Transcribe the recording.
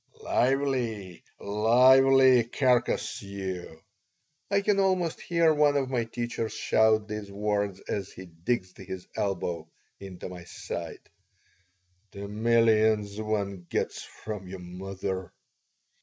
"Lively, lively, carcass you!" I can almost hear one of my teachers shout these words as he digs his elbow into my side. "The millions one gets from your mother!"